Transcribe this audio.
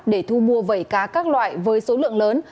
để thu mua vẩy cá các loại với số lượng lớn